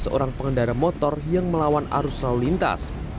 seorang pengendara motor yang melawan arus lalu lintas